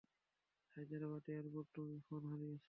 হায়দ্রাবাদ এয়ারপোর্টে তুমি ফোন হারিয়েছ।